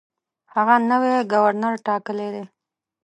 هغه نوی ګورنر ټاکلی دی.